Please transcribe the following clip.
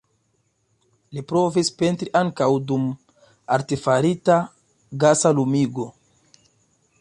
Li provis pentri ankaŭ dum artefarita, gasa lumigo.